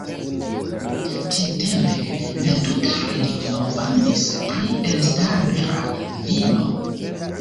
Tiutempe la tuta regiono famis pri elstara vino.